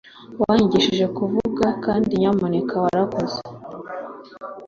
wanyigishije kuvuga nyamuneka kandi urakoze,